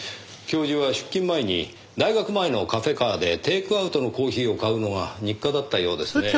教授は出勤前に大学前のカフェカーでテイクアウトのコーヒーを買うのが日課だったようですねぇ。